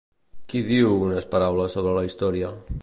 Qui diu unes paraules sobre la història?